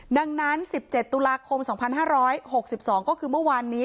ดังนั้น๑๗ตุลาคม๒๕๖๒ก็คือเมื่อวานนี้